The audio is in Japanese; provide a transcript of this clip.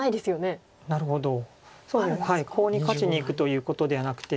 コウに勝ちにいくということではなくて。